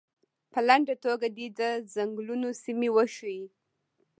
په لنډه توګه دې د څنګلونو سیمې وښیي.